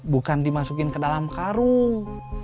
bukan dimasukin ke dalam karung